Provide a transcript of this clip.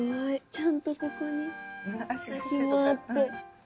ちゃんとここに脚もあって。